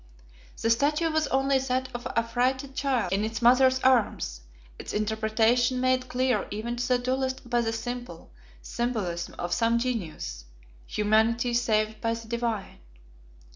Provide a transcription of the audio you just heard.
The statue was only that of an affrighted child in its mother's arms; its interpretation made clear even to the dullest by the simple symbolism of some genius Humanity saved by the Divine.